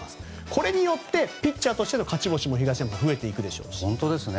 これによってピッチャーとしての勝ち星も増えていくでしょうし。